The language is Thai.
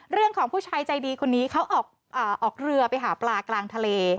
ผู้ชายใจดีคนนี้เขาออกเรือไปหาปลากลางทะเล